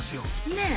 ねえ。